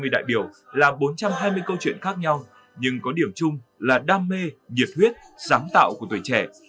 bốn trăm hai mươi đại biểu là bốn trăm hai mươi câu chuyện khác nhau nhưng có điểm chung là đam mê nhiệt huyết sáng tạo của tuổi trẻ